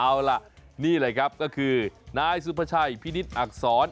เอาล่ะนี่เลยครับก็คือนายสุภาชัยพินิษฐ์อักษร